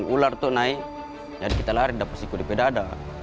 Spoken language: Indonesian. ular itu naik jadi kita lari dapat siku di pedada